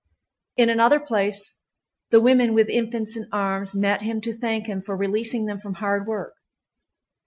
In another place the women with infants in arms met him to thank him for releasing them from hard work.